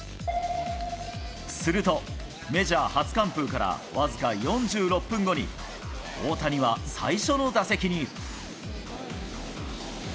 すると、メジャー初完封から僅か４６分後に、大谷は最初の打席に。